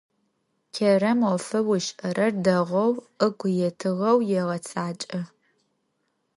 Керэм ӏофэу ышӏэрэр дэгъоу ыгу етыгъэу егъэцакӏэ.